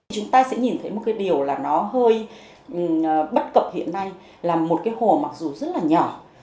chúng ta sẽ nhìn thấy một cái điều là nó hơi bất cập hiện nay là một cái hồ mặc dù rất là nhỏ